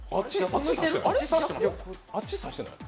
あっち指してない？